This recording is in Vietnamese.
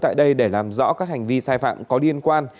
tại đây để làm rõ các hành vi sai phạm có liên quan